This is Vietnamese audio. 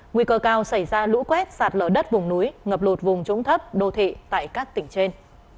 nguy cơ cao xảy ra lũ quét sạt lở đất vùng núi ngập lụt vùng trũng thấp đô thị tại các tỉnh trên